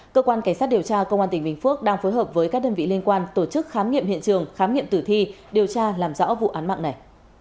cơ quan cảnh sát điều tra công an tỉnh bình phước đang phối hợp với các đơn vị liên quan tổ chức khám nghiệm hiện trường khám nghiệm tử thi điều tra làm rõ vụ án mạng này